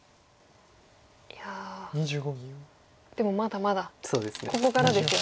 いやでもまだまだここからですよね。